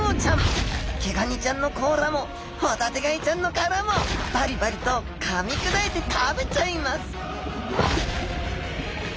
ケガニちゃんの甲羅もホタテガイちゃんの殻もバリバリとかみ砕いて食べちゃいます